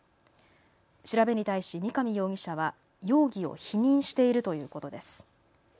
調べに対し三上容疑者は容疑を否認しているということです。